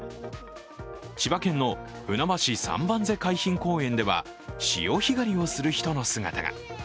千葉県のふなばし三番瀬海浜公園では潮干狩りをする人の姿が。